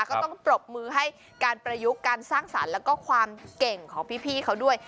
ก็ต้องปรบมือให้การประยุกต์การสร้างสรรค์แล้วก็ความเก่งของพี่เขาด้วย